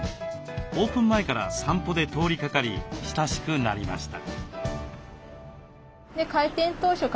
オープン前から散歩で通りかかり親しくなりました。